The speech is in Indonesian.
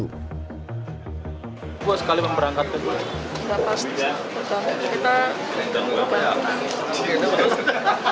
buat sekali memperangkatkan